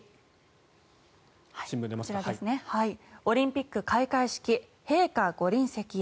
オリンピック開会式陛下ご臨席へ。